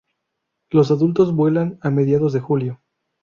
Los adultos vuelan a mediados de julio.